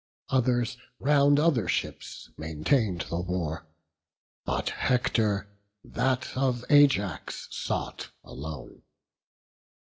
Others round other ships maintain'd the war, But Hector that of Ajax sought alone.